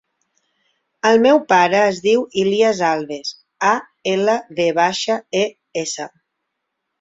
El meu pare es diu Ilyas Alves: a, ela, ve baixa, e, essa.